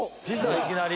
いきなり？